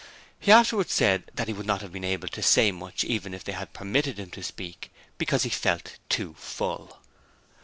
He afterwards said that he would not have been able to say much even if they had permitted him to speak, because he felt too full.